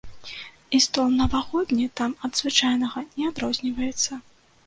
І стол навагодні там ад звычайнага не адрозніваецца.